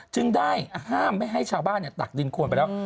จึงได้ห้ามไม่ให้ชาวบ้านตักดินควรไปแล้ว